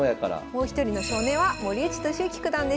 もう一人の少年は森内俊之九段でした。